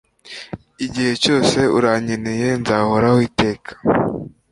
igihe cyose urankeneye nzahoraho iteka